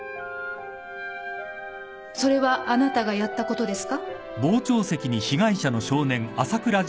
それはあなたがやったことですか？